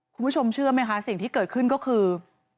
คุณผู้ชมเชื่อไหมคะสิ่งที่เกิดขึ้นก็คือ